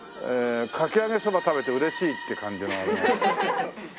かき揚げそば食べて嬉しいって感じのあれだね。